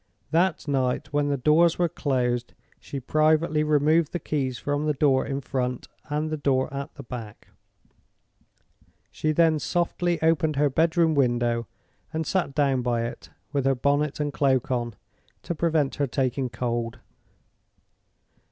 That night, when the doors were closed, she privately removed the keys from the door in front and the door at the back. She then softly opened her bedroom window and sat down by it, with her bonnet and cloak on, to prevent her taking cold.